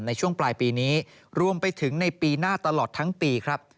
ในช่วงปลายปีนี้รวมไปถึงในปีหน้าตลอดทั้งปีครับ